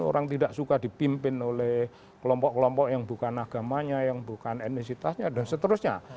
orang tidak suka dipimpin oleh kelompok kelompok yang bukan agamanya yang bukan etnisitasnya dan seterusnya